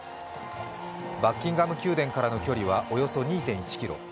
バッキンガム宮殿からの距離はおよそ２．１ｋｍ。